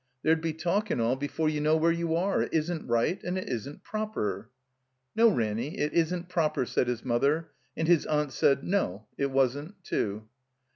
There'd be talk and all, before you know where you are. It isn't right and it isn't proper." "No, Ranny, it isn't proper," said his mother; and his aunt said. No, it wasn't, too.